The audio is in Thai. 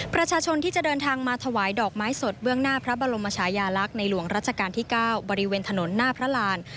ประชาชนที่จะเดินทางมาถวายดอกไม้สดเบื้องหน้าพระบรมชายาลักษณ์ในหลวงรัชกาลที่๙บริเวณถนนหน้าพระราน